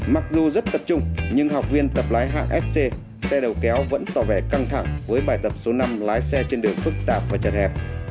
mặc dù rất tập trung nhưng học viên tập lái hạng sc xe đầu kéo vẫn tỏ vẻ căng thẳng với bài tập số năm lái xe trên đường phức tạp và chật hẹp